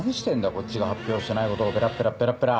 こっちが発表してないことをペラペラペラペラ。